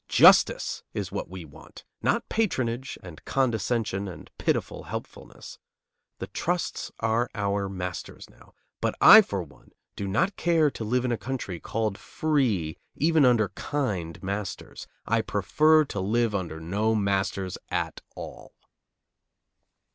Justice is what we want, not patronage and condescension and pitiful helpfulness. The trusts are our masters now, but I for one do not care to live in a country called free even under kind masters. I prefer to live under no masters at all.